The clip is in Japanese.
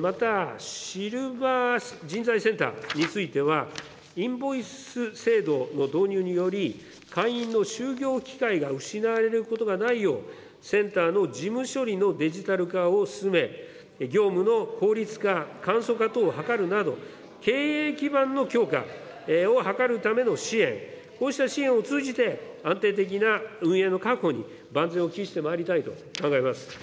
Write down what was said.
また、シルバー人材センターについては、インボイス制度の導入により、会員の就業機会が失われることがないよう、センターの事務処理のデジタル化を進め、業務の効率化、簡素化等を図るなど、経営基盤の強化を図るための支援、こうした支援を通じて、安定的な運営の確保に万全を期してまいりたいと考えます。